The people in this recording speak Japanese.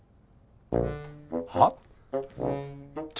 はっ？